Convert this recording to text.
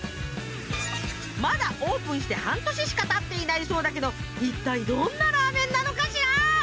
まだオープンして半年しかたっていないそうだけどいったいどんなラーメンなのかしら。